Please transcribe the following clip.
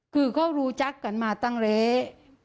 คือเขารู้จักกันมาตั้งเละ